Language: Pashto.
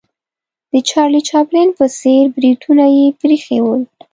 د چارلي چاپلین په څېر بریتونه یې پرې ایښې ول.